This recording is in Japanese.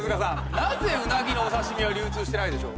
なぜうなぎのお刺身は流通してないでしょう？